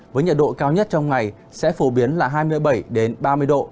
với nhiệt độ cao nhất trong ngày sẽ phổ biến là hai mươi bảy ba mươi độ